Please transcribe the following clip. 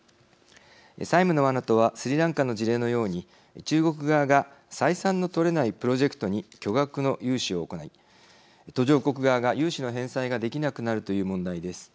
債務のワナとはスリランカの事例のように中国側が採算のとれないプロジェクトに巨額の融資を行い途上国側が融資の返済ができなくなるという問題です。